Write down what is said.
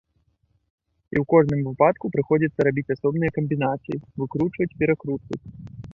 І ў кожным выпадку прыходзіцца рабіць асобныя камбінацыі, выкручваць, перакручваць.